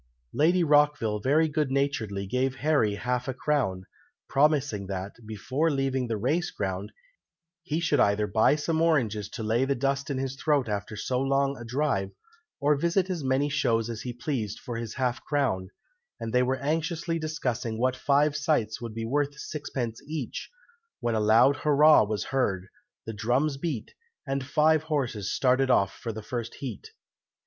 Lady Rockville very good naturedly gave Harry half a crown, promising that, before leaving the race ground, he should either buy some oranges to lay the dust in his throat after so long a drive, or visit as many shows as he pleased for his half crown; and they were anxiously discussing what five sights would be worth sixpence each, when a loud hurra was heard, the drums beat, and five horses started off for the first heat.